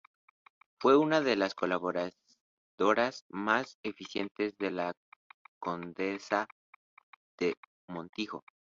Fue una de las colaboradoras más eficientes de la condesa de Montijo.